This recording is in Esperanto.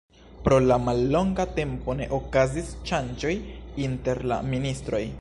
Pro la mallonga tempo ne okazis ŝanĝoj inter la ministroj.